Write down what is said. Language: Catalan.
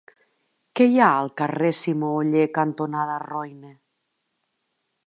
Què hi ha al carrer Simó Oller cantonada Roine?